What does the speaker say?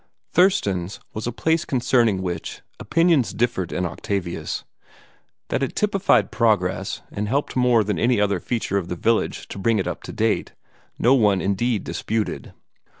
"Thurston's" was a place concerning which opinions differed in Octavius. That it typified progress, and helped more than any other feature of the village to bring it up to date, no one indeed disputed.